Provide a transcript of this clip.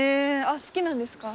あっ好きなんですか？